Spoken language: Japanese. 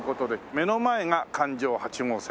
目の前が環状八号線。